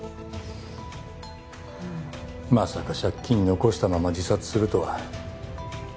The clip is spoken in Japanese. まさか借金残したまま自殺するとは。